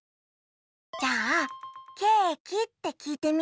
じゃあ「ケーキ？」ってきいてみようよ。